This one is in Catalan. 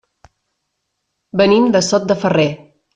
Venim de Sot de Ferrer.